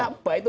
mesin apa itu